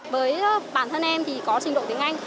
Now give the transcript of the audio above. với bản thân em thì có trình độ tiếng anh